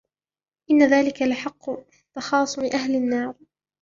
إن ذلك لحق تخاصم أهل النار